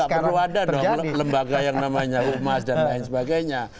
kalau gitu gak perlu ada dong lembaga yang namanya umas dan lain sebagainya